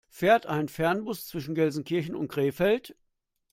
Fährt ein Fernbus zwischen Gelsenkirchen und Krefeld?